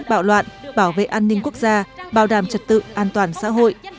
bạo loạn bảo vệ an ninh quốc gia bảo đảm trật tự an toàn xã hội